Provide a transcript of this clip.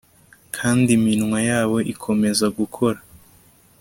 Kandi iminwa yabo ikomeza gukora